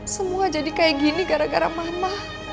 semua jadi kayak gini gara gara mana